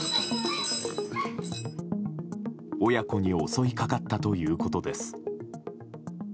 親子に襲いかかったということです。